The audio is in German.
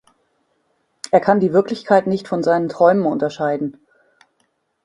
Er kann die Wirklichkeit nicht von seinen Träumen unterscheiden.